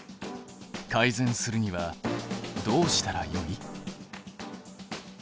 改善するにはどうしたらよい？